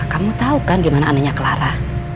kamu tahu kan gimana anehnya clara